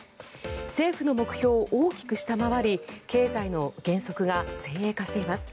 政府の目標を大きく下回り経済の減速が先鋭化しています。